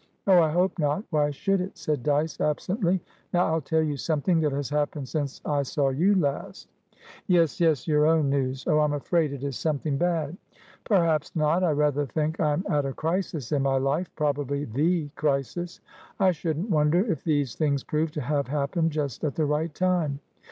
"Oh, I hope not. Why should it?" said Dyce, absently. "Now I'll tell you something that has happened since I saw you last." "Yesyesyour own news! Oh, I'm afraid it is something bad!" "Perhaps not. I rather think I'm at a crisis in my lifeprobably the crisis. I shouldn't wonder if these things prove to have happened just at the right time.